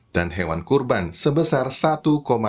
dan hewan kurban sebesar rp satu enam miliar